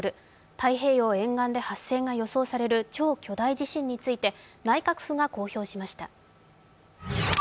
太平洋沿岸で発生が予想される、超巨大地震について内閣府が公表しました。